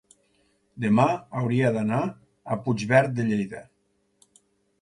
demà hauria d'anar a Puigverd de Lleida.